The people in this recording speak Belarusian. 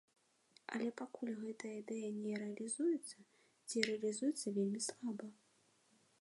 Але пакуль гэтая ідэя не рэалізуецца, ці рэалізуецца вельмі слаба.